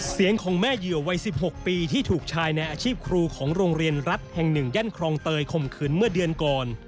เสียงของแม่เหยื่อวัย๑๖ปีที่ถูกชายในอาชีพครูของโรงเรียนรัฐแห่งหนึ่ง